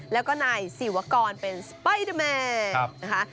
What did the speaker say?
แล้วก็นายศิวกรเป็นสไปเดอร์แมนนะคะ